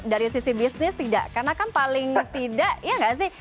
dari sisi bisnis tidak karena kan paling tidak ya nggak sih